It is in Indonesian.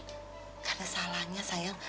gak ada salahnya sayang